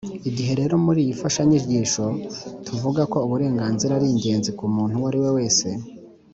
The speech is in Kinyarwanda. Igihe rero muri iyi mfashanyigisho tuvuga ko uburenganzira ari ingenzi ku muntu uwo ari we wese